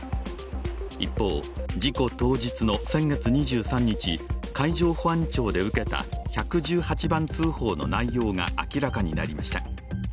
一方、事故当日の先月２３日、海上保安庁で受けた１１８番通報の内容が明らかになりました。